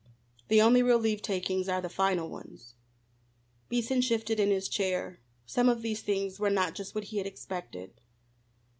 The only real leave takings are the final ones." Beason shifted in his chair. Some of these things were not just what he had expected.